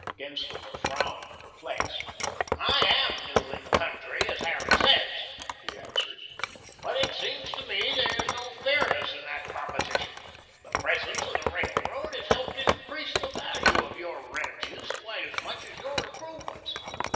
Genslinger frowned, perplexed. "I AM new in the country, as Harran says," he answered, "but it seems to me that there's no fairness in that proposition. The presence of the railroad has helped increase the value of your ranches quite as much as your improvements.